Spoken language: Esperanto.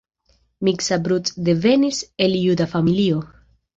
Miksa Bruck devenis el juda familio.